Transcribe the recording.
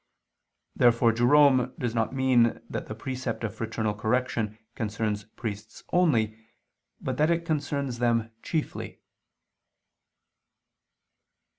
Therefore Jerome does not mean that the precept of fraternal correction concerns priests only, but that it concerns them chiefly.